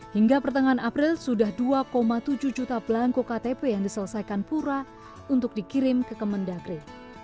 hingga pertengahan april sudah dua tujuh juta pelangko ktp yang diselesaikan pura untuk dikirim ke kemendagri